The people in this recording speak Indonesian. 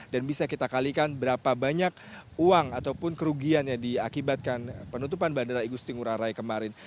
dan bisa kita kalikan berapa banyak uang ataupun kerugian yang diakibatkan penutupan bandara igusti ngurah rai kemarin